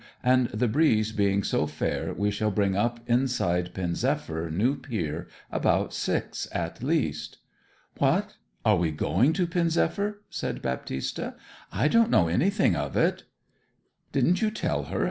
And the breeze being so fair we shall bring up inside Pen zephyr new pier about six at least.' 'What are we going to Pen zephyr?' said Baptista. 'I don't know anything of it.' 'Didn't you tell her?'